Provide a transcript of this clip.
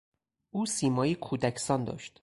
او سیمایی کودکسان داشت.